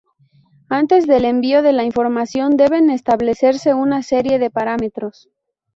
Antes del envío de la información, deben establecerse una serie de parámetros.